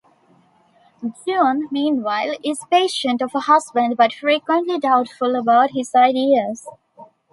June, meanwhile, is patient of her husband, but frequently doubtful about his ideas.